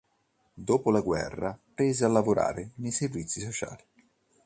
Dopo la guerra prese a lavorare nei servizi sociali.